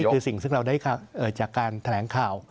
คือสิ่งซึ่งเราได้จากการแถลงข่าว